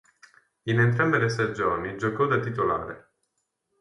In entrambe le stagioni giocò da titolare.